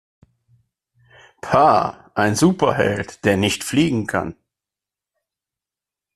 Pah, ein Superheld, der nicht fliegen kann!